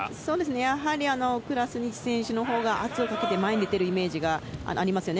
やはりクラスニチ選手のほうが圧をかけて前に出ているイメージがありますよね。